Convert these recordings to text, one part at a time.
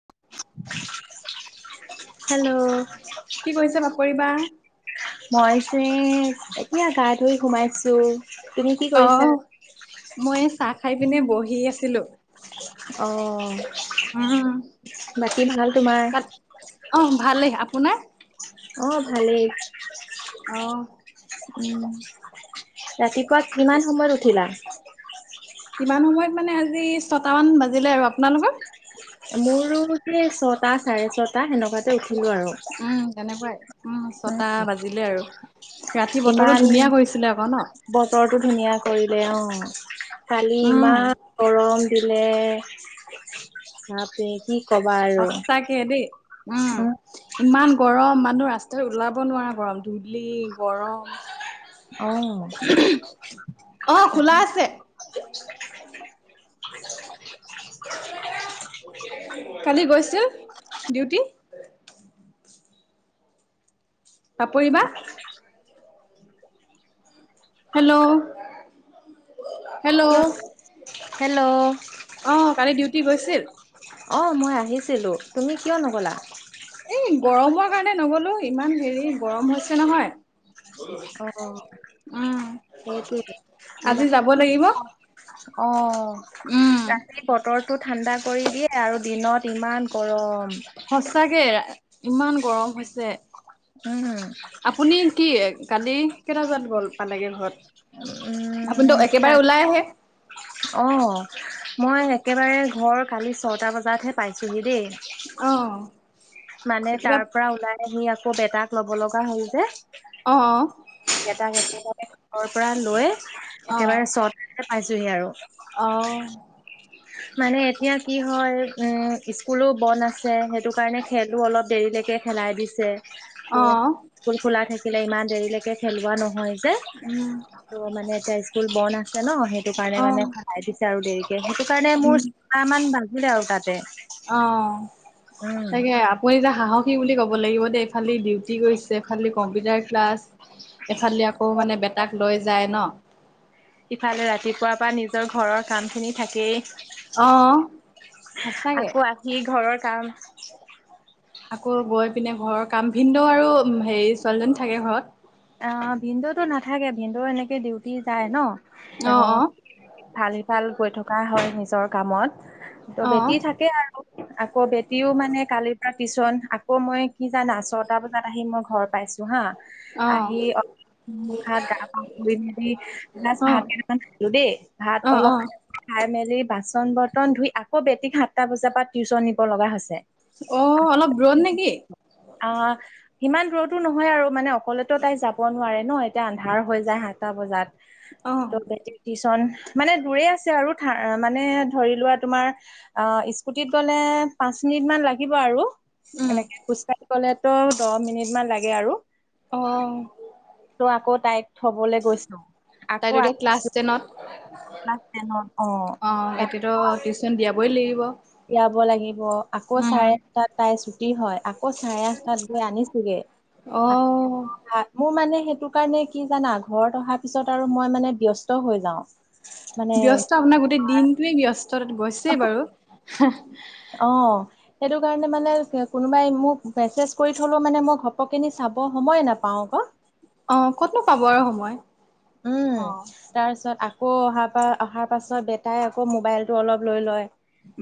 [unintelligible] Hello কি কৰিছে পাপৰি বা? মই। এতিয়া গা ধুই সোমাইছো। তুমি কি কৰিছা? আহ মই চাহ খাই পিনে বহি আছিলো। অহ। উ তোমাৰ? ক অহ ভালেই আপোনাৰ। অ ভালেই। অহ। উ ৰাতিপুৱা কিমান সময়ত উঠিলা। কিমান সময়ত মানে আজি ছটা মান বাজিলে আৰু আপোনালোকৰ। মোৰো যে ছটা চাৰে ছটা সেনেকুৱাতে উঠিলো আৰু। উম, তেনেকুৱাই উ উম, ছটা বাজিলে আৰু ৰাতি বতৰটো ইমান ধুনীয়া কৰিছিলে আকৌ ন। বতৰটো ধুনীয়া কৰিলে অ। খালি উম, ইমান গৰম দিলে। কি কবা আৰু। সঁচাকে দেই। উম। ইমান গৰম মানুহ ৰাস্তাত ওলাব নোৱাৰা গৰম ধূলি গৰম। অ। অহ, খোলা আছে। কালি গৈছো। ডিউটি। পাপৰি বা। Hello hello. কিয় হেল্ল'। অ, কালি ডিউটি গৈছিল। অ, মই আহিছিলোঁ তুমি কিয় নগ'লা। এই গৰমৰ কাৰণে নগলো ইমান হেৰি গৰম হৈছে নহয়। অ', সেইটোৱে আজি ইমান যাব লাগিব। অ, ৰাতি বতৰ। টো ঠাণ্ডা কৰি দিয়ে আৰু দিনত ইমান গৰম। সঁচাকে ইমান গৰম। যে উম আপুনি কি কালি কেইটা বজাত গ'ল পালেগে ঘৰত। আপুনি তোক একেবাৰে ওলাই আহে। অঁ মই একেবাৰে ঘৰ কালি ছটা বজাতহে পাইছোঁহি দেই। অহ। মানে তাৰ পৰা ওলাই আহি আকৌ বেটাক ল'ব লগা হ'ল যে। অ। এটা কেটা। পৰা লৈ অ একেবাৰে চট পাইছোহি আৰু। অ মানে এতিয়া কি হয় উম স্কুলো বন্ধ আছে সেইটো কাৰণে খেলো অলপ। দেৰিলৈকে খেলাই দিছে অ ত' স্কুল খোলা থাকিলে ইমান দেৰিলৈকে খেলোৱা নহয়। ত' উম মানে এতিয়া স্কুল বন্ধ আছে ন সেইটো কাৰণে অ মানে চাই পিছে আৰু দেৰি। স কাৰণে উম মোৰ চাহ মান বাজিলে আৰু তাতে। অ উম তাকে আপুনি এতিয়া সাহসী বুলি ক'ব লাগিব দেই। ফালি ডিউটি গৈছে এফালি কম্পিউটাৰ ক্লাছ এফালি আকৌ মানে বেটাক লৈ। যায় ন। ইফালে ৰাতিপুৱাৰ পৰা নিজৰ ঘৰৰ কাম খিনি অ' থাকেই। সঁচাকে আকৌ আহি ঘৰৰ কাম। আকৌ গৈ পিনে ঘৰৰ কাম ভিন্ন্দ আৰু হেৰি ছোৱালীজনী থাকে ঘৰত। অ, ভিনদও নাথাকে ভিনন্দে এনেকে ডিউটি যায় ন। তেও অ' অ' ভাল - ভাল গৈ থকা হয় নিজৰ কামত। ত, অ' বেটি থাকে আৰু আকৌ বেটিও মানে কালিৰ পৰা টিচন আকৌ মই কি জানা ছটা বজাত আহি মই ঘৰ পাইছো হা অ' আহি। অ' ভাত গা পা ধুই ম জাষ্ট ভাত কেই খালো দেই ভাত অ' অলপ। অ' খাই মেলি বাচন বৰ্তন ধুই আকৌ বেটিক সাতটা বজাৰ পৰা টিউচন নিব লগা হৈছে। অ, অলপ দূৰত নেকি। ইমান দূৰৰতো নহয় আৰু মানে অকলেতো তাই যাব নোৱাৰে ন এতিয়া আন্ধাৰ হৈ যায় সাতটা অ' বজাত। টিউচন মানে দূৰে আছে আৰু। মানে ধৰি লোৱা তোমাৰ অ স্কুটিত গ'লে পাচ মিনিট মান লাগিব আৰু। উম এনেকে খোজ কাঢ়ি গলেতো দহ মিনিট মান লাগে আৰু। অ' ত, আকৌ তাইক থবলৈ গৈছ আকৌ তাইতো এতিয়া ক্লাছ আহিছো। টেনত ক্লাছ টেনত অ, [unintelligible] কবই লাগিব। উলিয়াব লাগিব আকৌ উম চাৰে আঠটাত তাই ছুটি হয়। আকৌ চাৰে আঠ গৈ আনিছোগে অ' মোৰ মানে। সেইটো কাৰণে কি জানা ঘৰত অহাৰ পিছত আৰু মই মানে বেস্ত হৈ যাও। বেস্ত আপোনাৰ গোটেই দিনটোৱে ব্যস্ত তাত গৈছে বাৰু। অ', সেইটো কাৰণে মানে কোনোবাই মোক মেছেজ কৰি থলেও মানে মই ঘপকিনি চাব সময় নাপাও আক। অ, ক'তনো পাব আৰু সময়। উম, অ তাৰপিছত আকৌ অহাৰ পাছত - অহাৰ পাছত বেটাই আকৌ মোবাইলটো অলপ লৈ লয়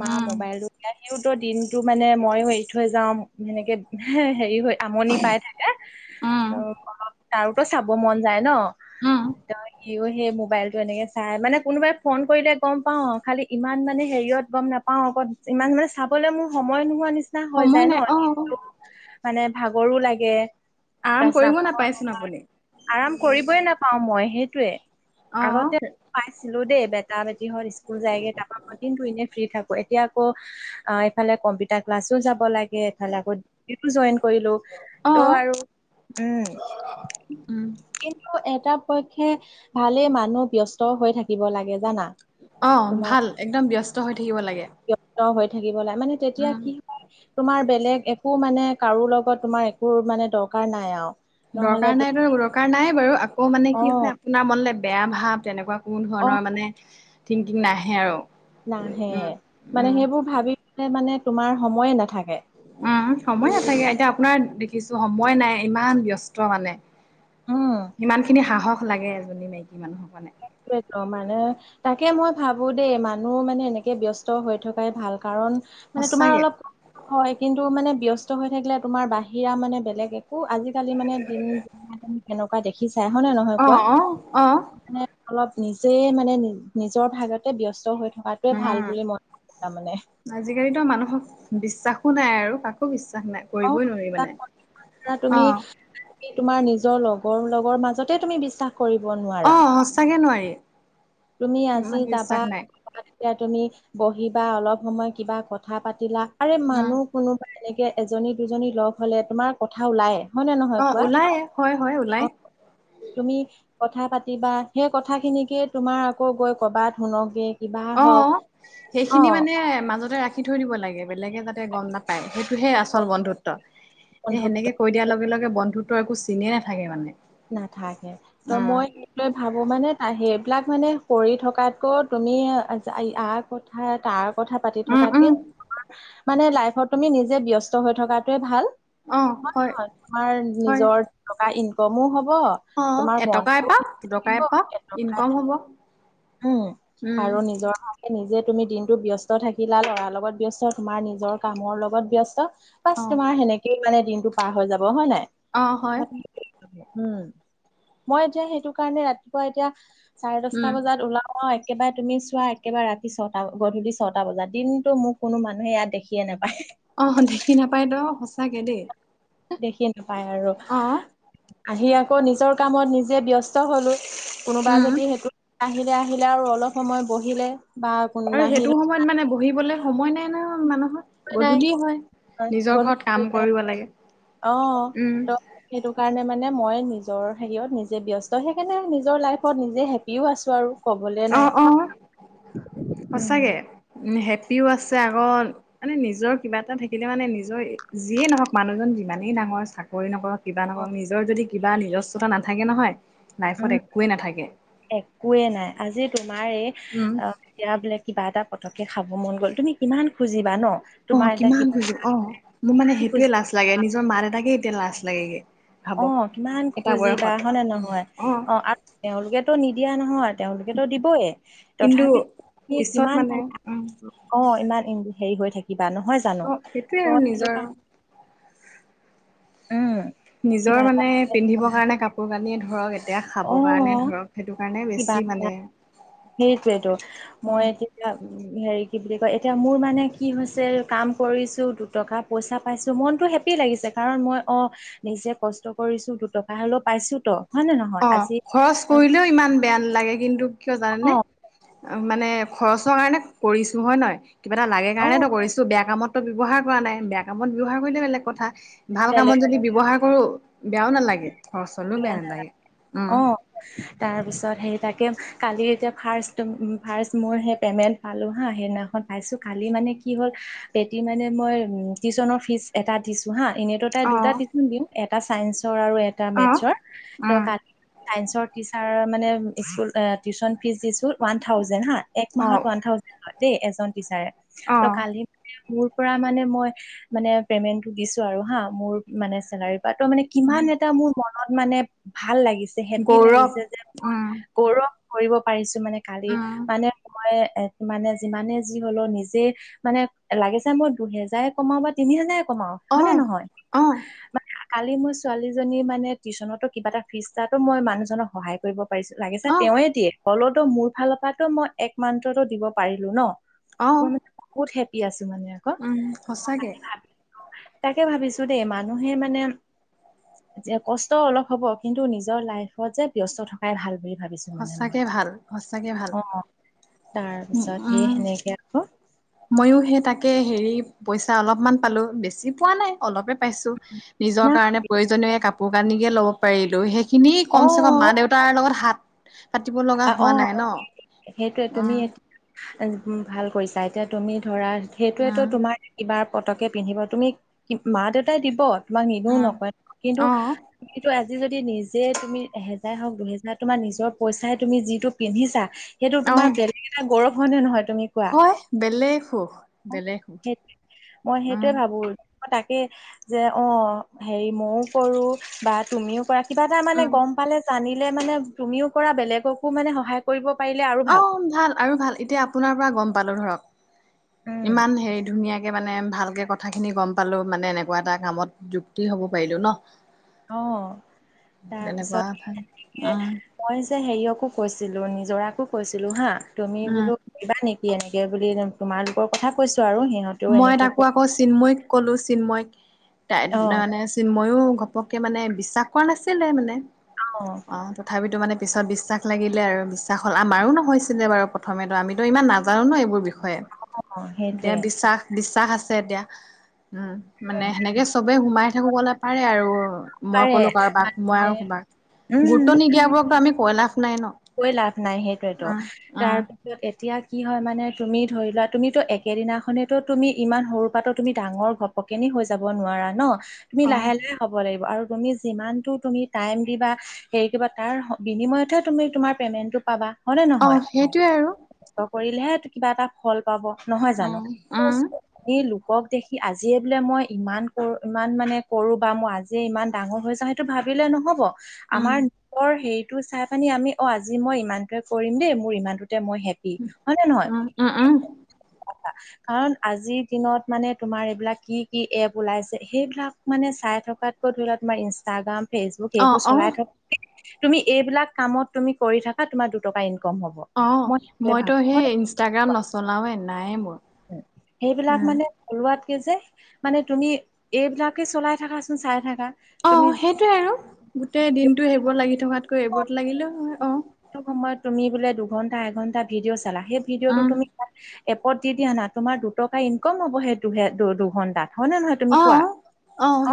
মা উম মোবাইলতটো চাই। ইওটো দিনটো মানে, মইও এৰি থৈ যাও সেনেকে হে হেৰি, হ'য়। আমনি পাই থাকে। উম ত' তাৰোটো চাব মন যায় ন'? উম সিও সেই মোবাইলটো এনেকে চাই। মানে, কোনোবাই ফোন কৰিলে গম পাও আও। খালি ইমান মানে হেৰিয়ত গম নাপাও আক'। ইমান মানে, চাবলৈ মোৰ সময় নোহোৱা নিচি নিচিনা হৈ সময় যায় ন'। নাই অ দিনটোত মানে ভাগৰো লাগে। আৰাম কৰিব [unintelligible] নাপাইচোন তোমাৰ। আপুনি আৰাম কৰিবই নাপাওঁ মই। সেইটোৱে অ আগতে পাইছিলোঁ দেই, বেটা -বেটি হঁত স্কুল যায়গে। তাপা মই দিনটো এনেই ফ্ৰী থাকো। এতিয়া আকৌ অঁ, এইফালে কম্পিউটাৰ ক্লাছো যাব লাগে এফালে আকৌ ডিউতিটোও জইন কৰিলো অ ত' আৰু উম, কিন্তু এটা পক্ষে ভালেই, মানুহ ব্যস্ত হৈ থাকিব লাগে জানা। অ, তোমাৰ ভাল একদম ব্যস্ত হৈ থাকিব লাগে। ব্যস্ত হৈ থাকিব লাগে মানে, তেতিয়া উম কি হ'য় তোমাৰ বেলেগ একো মানে, কাৰো লগত তোমাৰ একো মানে, দৰকাৰ নাই আও। দৰকাৰ নাইটো, দৰকাৰ নাই বাৰু। আকৌ মানে অ কি হ'য়, আপোনাৰ মনলে বেয়া ভাৱ তেনেকুৱা কোনো অ ধৰণৰ মানে থিংকিং নাহে আৰু। নাহে। উম মানে, উম সেইবোৰ ভাৱিবলে মানে তোমাৰ সময়ে নাথাকে। উম, সময় নাথাকে এতিয়া আপোনাৰ দেখিছো সময় নাই, ইমান ব্যস্ত মানে। উম সিমান খিনি সাহস লাগে। এজনী মাইকী মানুহৰ কাৰণে। সেইটোৱেটো মানে, তাকে মই ভাৱো দেই। মানুহ মানে, এনেকে ব্যস্ত হৈ থকাই ভাল। কাৰণ মানে তোমাৰ সঁচাকে অলপ, হ'য় কিন্তু মানে, ব্যস্ত হৈ থাকিলে তোমাৰ বাহিৰা মানে বেলেগ এক্‌ কো আজি-কালি মানে, দিনি -কালবোৰ কেনেকুৱা দেখি চাই। হ'য় নে, নহয় অ কোৱা? অ অ মানে অলপ নিজে মানে, নিজৰ ভাগতে ব্যস্ত হৈ থ্‌ থকা। আজি-কালিটো মানুহক বিশ্বাসো নাই আৰু কাকো বিশ্বাস নাই অঁ কৰিবই নোৱাৰি মানে তোমা--তোমা অ তুমি, তোমাৰ নি নিজৰ লগৰ লগৰ মাজতে তুমি বিশ্বাস কৰিব নোৱাৰা অঁ, সঁঁচাকে নোৱাৰি। তুমি আজি ইমান যাবা? বিশ্বাস নাই এতিয়া তুমি বহিবা, অলপ সময় কিবা কথা পাতিলা। আৰে উম মানুহ কোনোবা এনেকে এজনী দুজনী ল'গ হ'লে তোমাৰ কথা ওলায়। হ'য় নে নহয় অ কোৱা? ওলাই হয় হয় ওলাই অঁ, তুমি কথা পাতিবা, সেই কথা খিনিকে তোমাৰ আকৌ গৈ কবাত শুনকগে। অঁ, সেইখিনি মানে মাজতে ৰাখ। ৰাখি থৈ দিব লাগে। বেলেগে যাতে গম নাপায়। সেইটোহে আচল বন্ধুত্ব। এ সেনেকে কৈ বন্ধুত্ব দিয়াৰ লগে লগে বন্ধুত্বৰ একো চিনে নাথাকে মানে নাথাকে, ত উম মই সেইটোৱে ভাৱো মানে তাই সেই বিলাক মানে কৰি থকাতকৈ তুমি আ--ই-আৰ কথা তাক কথা পাতি উম উম থকাত্‌কে মানে, লাইফত তুমি নিজে ব্যস্ত হৈ থকাটোৱে ভাল। হ'য়, অ হয় নহ'য়? তোমাৰ হয় নিজৰ টকা ইন্‌ক'মো হ'ব। হ, অ তোমাৰ এটকা মনটোও এপাক থাকিব দুটকা এপাক ইনকম এনেকুৱাই। হ'ব উম উম আৰু নিজৰ আ নিজে তুমি দিনটো ব্যস্ত থাকিলা। ল'ৰাৰ লগত ব্যস্ত, তোমাৰ নিজৰ কামৰ লগত ব্যস্ত, অ বচ, তোমাৰ সেনেকেই মানে দিনটো পাৰ হৈ যাব। হ'য় নাই? অঁ, হ'য়। মানে উম, মই এতিয়া সেইটো কাৰণে ৰাতিপুৱা, এতিয়া চাৰে উম দচটা বজাত অঁ, একেবাৰে তুমি চোৱা, একেবাৰে ৰাতি ছটা, গধূলি ছটা বজাত দিনটো মোক কোনো মানুহে ইয়াত দেখি আ কে নাপায়। অঁহ, দেখি নাপায় ন'? সঁচাকে দেই। দেখি নাপায় আৰু অ আহি আকৌ আকৌ নিজৰ কামত নিজে ব্যস্ত হ'লোঁ। কোনোবা উম যদি সেইটোত আহিলে আহিলে আৰু অলপ সময় বহিলে। বা কোনো আৰু সেইটো নাহিলে সময়ত মানে বহিবলে সময় নাই ন মানুহ নাই গধূলি হয় নিজৰ গধূলি ঘৰত হৈ কাম যায় কৰিব লাগে অ উম ত সেইটো কাৰণে মানে মই নিজৰ হেৰিয়ত নিজে ব্যস্ত সেইকাৰণে নিজৰ লাইফত নিজে হেপিও আছোঁ আৰু কবলে অ নাই অ উম সচাকে এ হেপিও আছে আগত মানে নিজৰ কিবা এটা থাকিলে মানে নিজৰ যিয়ে নহওক মানুহজন যিমানেই না মই চাকৰি নকৰক কিবা নকৰক নিজৰ যদি কিবা নিজস্বতা নাথাকে নহয় লাইফত উম একোৱেই নাথাকে একোৱে নাই আজি তোমাৰ এই উম অ এতিয়া বোলে কিবা এটা পটকে খাব মন গ'ল তুমি কিমান খুজিবা ন আহ তোমাৰ এতিয়া কিমান খুজিম আহ মোৰ মানে সেইটোয়ে খুজি লাজ লাগে নিজৰ মা দেউতাকে এতিয়া লাজ লাগেগে অ ভাবক কিমান এটা খুজিবা বয়সত হয়নে নহয় অ আৰু তেওঁলোকেতো নিদিয়া নহয় তেওঁলোকেতো দিবয়ে কিন্তু তথাপিতো পিছত কিমান মানে উম অ ইমান ই হেৰি হৈ থাকিবা নহয় জানো অ সেইটোৱে ত আৰু সেইটো নিজৰ কাৰণ নিজৰ কিবা এটা মানে পিন্ধিব কাৰণে কাপোৰ কানিয় ধৰক এ এতিয়া অ খাবৰ কাৰণে ধৰক সেইটো কাৰণে কিবা বেছি এটা মানে সেইটোৱেতো মই উম এতিয়া উ হেৰি কি বুলি কয় এতিয়া মোৰ মানে কি হৈছে কাম কৰিছো দুটকা পইচা পাইছো মন হেপি লাগিছে কাৰণ মই অ নিজে কষ্ট কৰিছো দুটকা হলেও পাইছো তো হয় নে নহয় অ আজি খৰচ কৰিলেও ইমান বেয়া নালাগে কিন্তু কিয় অ জানেনে মানে খৰচৰ কাৰণে কৰিছো হয় নহয় কিবা এটা লাগে অ কাৰণেতো কৰিছো বেয়া কামত ব্যৱহাৰ কৰা নাই বেয়া কামত ব্যৱহাৰ কৰিলে বেলেগ কথা ভাল বেলেগ কামত যদি ব্যৱহাৰ কৰো বেয়াও নালাগে খৰচলৈও বেয়া নালাগে উম অ তাৰপিছত তাকে কালি এতিয়া ফাৰ্ষ্ট ফাৰ্ষ্ট মোৰ সেই পেমেণ্ট পালো হা সেইদিনাখন পাইছো কালি মানে কি হ'ল পেটি মানে মই উ টিউচনৰ ফিজ এটা দিছো হা এনেইতো তাই অ দুটা টিউশ্যন দিম এটা চাইন্ঞ্চৰ আৰু এটা অ মেথছৰ ত উম কা চাইন্সৰ টিচাৰ মানে স্কুল টিউচন ফিজ দিছো ওৱান থাউজেন হা এক অ মাহত ওৱান থাউজেণ্ড লয় দেই এজন টিচাৰে অ ত কালি মানে মোৰ পৰা মানে মই মানে পেমেণ্টো দিছো আৰু হা মোৰ মানে চেলা তো মানে কিমান উম এটা মোৰ মনত মানে ভাল লাগিছে হেপি গৌৰৱ লাগিছে যে মই উম গৌৰৱ কৰিব পাৰিছো মানে কালি উম মানে মই এ মানে যিমানে যি হলো নিজে মানে লাগে চাই মই দুহেজাৰে কমাও বা তিনি হেজাৰে কমাও অ হয় নে নহয় কিন্তু অ মানে মোৰ ছোৱালীজনী মানে টিউশনতো কিবা এটা ফিজ দাতো মই মানুহজনক সহায় কৰিব পাৰিছো লাগিছে অ তেওঁৱে দিয়ে হলতো মোৰ ফালৰ পা টো মই একমাত্ৰতো দিব পাৰিলো ন অ মোৰ ম বহুত হেপী আছো মানে আকৌ উম সচাকে তাকে ভাবিছো দেই মানুহে মানে কষ্ট অলপ হ'ব কিন্তু নিজৰ লাইফত যে ব্যস্ত থকাই ভাল বুলি ভাবিছো মানে মই সঁচাকে ভাল সঁচাকে ভাল অ তাৰ পিছত সেই সেনেকে আকৌ মইয়ো সেই তাকে হেৰি পইচা অলপমান পালো বেছি পোৱা নাই অলপে পাইছো নিজৰ না কাৰণে প্ৰয়োজনীয় কাপোৰ কানি কে ল'ব পাৰিলো সেই খিনি অ কম চে কম মা দেউতাৰ লগত হাত পাতিব লগা অ হোৱা নাই ন সেইটোৱে উ তুমি ভাল কৰিছা এতিয়া তুমি ধৰা সেইটোৱেতো উম তোমাৰ কিবা পতকে পিন্ধিবা তুমি মা দেউতাই দিব তোমাক নিদিও উম নকয় অ কিন্তু আজি যদি নিজে তুমি এহেজাৰ হওক দুহেজাৰ তোমাৰ নিজৰ পইচাই তুমি যিটো পিন্ধিছা সেইটো অ তোমাৰ বেলেগ এটা গৌৰৱ হয় নে নহয় তুমি কোৱা হয় বেলেগ সুখ বেলেগ সুখ মই উম সেইটোৱে ভাবো তাকে যে অ হেৰি মইও কৰো বা তুমিও কৰা কিবা এটা মানে উম গম পালে জানিলে মানে তুমিও কৰা বেলেগকো মানে সহায় কৰিব পাৰিলে আৰু অ ভাল আৰু ভাল এতিয়া আপোনাৰ পৰা গম পালো ধৰক উম। ইমান হেৰি ধুনীয়াকে মানে ভালকে কথাখিনি গম পালো মানে এনেকোৱা এটা কামত যুক্তি হ'ব পাৰিলো ন অ তাৰ পিছত তেনেকুৱা উম মই যে হেৰিয়কো কৈছো ছিলো নিজৰাকো কৈছিলো হা তুমি উম বোলো দিবা নেকি কি এনেকে বুলি তোমালোকৰ কথা কৈছো আৰু সিহঁতেও মই এনেকে তাকো কৰি আকৌ চিন্ময়ক কলো চিন্ময় তাই অ মানে চিন্ময়ো ঘপককে মানে বিশ্বাস কৰা নাছিলে মানে অ তথাপিতো মানে পিছত বিশ্বাস লাগিলে আৰু বিশ্বাস হ'ল আমাৰো নহৈছিলে বাৰু প্ৰথমেতো আমিতো ইমান নাজানো ন এইবোৰ বিষয়ে অ এতিয়া সেইটোৱে বিশ্বাস বিশ্বাস আছে এতিয়া উম মানে সেনেকে চবেই সোমাই থাকো কলে পাৰে আৰু মই পাৰে কলো কাৰোবাক মই মানে আৰু কাৰোবাক গুৰুত্ব উম নিদিয়াবোৰকতো আমি কয় লাভ নাই ন কৈ লাভ নাই সেইটোয়েতো উম উম তাৰপিছত এতিয়া কি হয় মানে তুমি ধৰি লোৱা তুমিতো একেদিনাখনেতো তুমি ইমান সৰু পৰা তুমি ডাঙৰ ঘপ কেনি হৈ যাব নোৱাৰা ন তুমি লাহে লাহে হব লাগিব আৰু তুমি যিমানটো তুমি টাইম দিবা হেৰি কৰিবা তাৰ বিনিময়তহে তুমি তুমাৰ পে'মেণ্টটো পাবা হয় নে অ নহয় সেইটোৱে আৰু কষ্ট কৰিলেহে কিবা এটা ফল পাব নহয় জানো উম উম তুমি নোকক দেখি আজিয়ে বোলে মই ইমান কৰো ইমান মানে কৰো বা মই আজিয়ে ইমান ডাঙৰ হৈছ সেইটো ভাবি লে নহ'ব উম আমাৰ নিজৰ হেৰিটো চাই পানি আমি অ আজি মই ইমানটো কৰিম দেই মোৰ ইমানটো মই হেপী হয় নে নহয় উম উম উম কাৰণ আজিৰ দিনত মানে তোমাৰ এইবিলাক কি কি এপ ওলাইছে সেইবিলাক মানে চাই থকাত' ধৰিল আমাৰ ইনষ্টটাগ্ৰাম ফেচবুক অ সেইবোৰ অ চলাই থকা তুমি এইবিলাক কামত তুমি কৰি থাকা তোমাৰ দুটকামান অ মইতো সেই ইনষ্টাগ্ৰাম নচলাওে নাইয়ে মোৰ সেইবিলাক উম। মানে চলোৱাত যে মানে তুমি এইবিলাকে চলাই থাকাচোন চাই থাকা অ তুমি সেইটোৱে আৰু গোটেই ভিডিঅ'টো দিনটো সেইবোৰ লাগি থকাতকৈ এইবোৰত লাগিলেও হয় অ টো সময়ত তুমি বোলে দুঘন্টা এঘন্টা ভিডিঅ' চালা সেই ভিডিঅ'টো উম। তুমি এপত দি দিয়া না তোমাৰ দুটকা ইনকম হ'ব সেই দুহে দু দুঘণ্টাত হয়নে নহয় তুমি কোৱা অ', অ